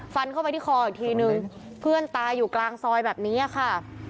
ฟันเข้าไปที่คออีกทีนึงเพื่อนตายอยู่กลางซอยแบบนี้ค่ะ